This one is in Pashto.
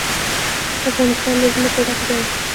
افغانستان له ځمکه ډک دی.